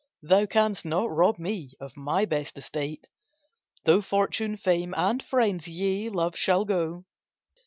Thou canst not rob me of my best estate, Though fortune, fame, and friends, yea, love shall go.